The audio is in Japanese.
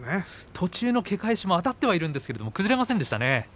途中のけ返しもあたってはいるんですが崩れませんでしたね。